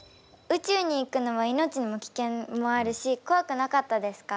宇宙に行くのは命の危険もあるしこわくなかったですか？